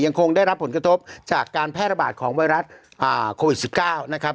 ยังคงได้รับผลกระทบจากการแพร่ระบาดของวัยรัสอ่าโควิดสิบเก้านะครับ